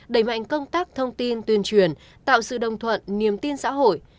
đẩy mạnh công tác thông tin tuyên truyền tạo sự đồng thuận niềm tin xã hội